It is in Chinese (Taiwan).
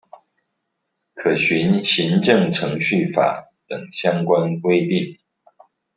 可循行政程序法等相關規定